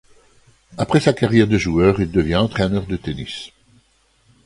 Après sa carrière de joueur, il devient entraîneur de tennis.